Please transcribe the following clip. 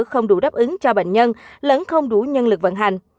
không đủ đáp ứng cho bệnh nhân lẫn không đủ nhân lực vận hành